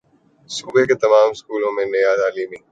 صوبے کے تمام سکولوں میں نیا تعلیمی نظام ہوگا